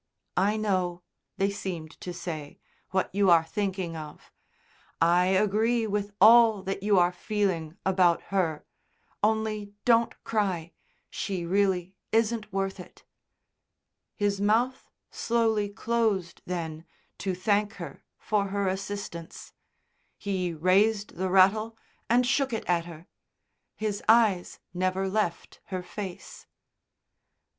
"I know," they seemed to say, "what you are thinking of. I agree with all that you are feeling about her. Only don't cry, she really isn't worth it." His mouth slowly closed then to thank her for her assistance, he raised the rattle and shook it at her. His eyes never left her face.